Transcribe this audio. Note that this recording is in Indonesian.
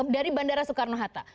dari bandara soekarno hatta